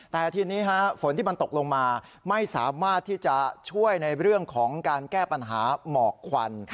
แต่ทีนี้ฝนที่มันตกลงมาไม่สามารถที่จะช่วยในเรื่องของการแก้ปัญหาหมอกควัน